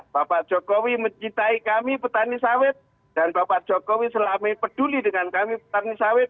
bapak jokowi mencintai kami petani sawit dan bapak jokowi selama ini peduli dengan kami petani sawit